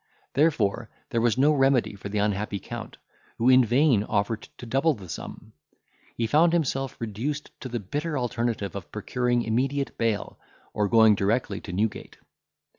Therefore there was no remedy for the unhappy Count, who in vain offered to double the sum. He found himself reduced to the bitter alternative of procuring immediate bail, or going directly to Newgate.